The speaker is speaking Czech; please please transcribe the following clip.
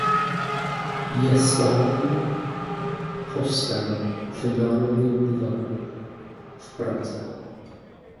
Je stálým hostem v Národním divadle v Praze.